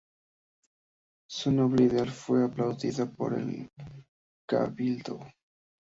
Su noble idea fue aplaudida por el Cabildo.